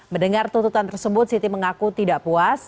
mendengar tuntutan tersebut siti mengaku tidak puas